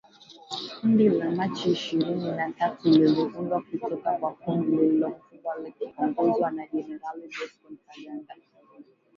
Kundi la Machi ishirini na tatu liliundwa kutoka kwa kundi lililokuwa likiongozwa na Jenerali Bosco Ntaganda